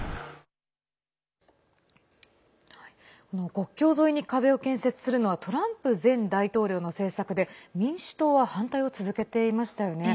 国境沿いに壁を建設するのはトランプ前大統領の政策で民主党は反対を続けていましたよね。